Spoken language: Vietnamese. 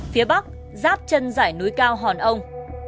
phía bắc giáp trân giải núi cao hòn ông